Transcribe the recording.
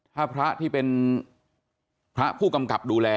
ถ้าพระที่เป็นพระผู้กำกับดูแล